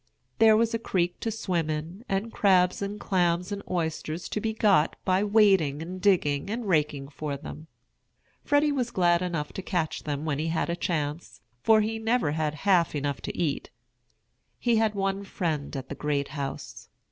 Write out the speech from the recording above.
There was a creek to swim in, and crabs and clams and oysters to be got by wading and digging and raking for them. Freddy was glad enough to catch them when he had a chance, for he never had half enough to eat. He had one friend at The Great House.